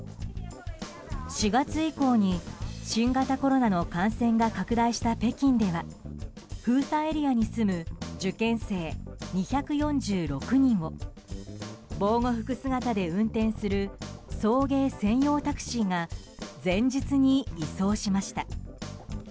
４月以降に新型コロナの感染が拡大した北京では封鎖エリアに住む受験生２４６人を防護服姿で運転する送迎専用タクシーが前日に移送しました。